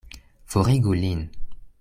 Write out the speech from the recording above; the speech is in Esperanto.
Forigu lin!